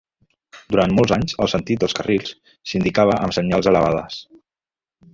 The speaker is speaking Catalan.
Durant molts anys, el sentit dels carrils s'indicava amb senyals elevades.